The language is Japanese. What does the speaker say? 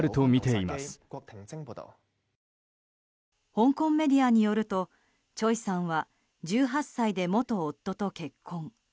香港メディアによるとチョイさんは１８歳で元夫と結婚。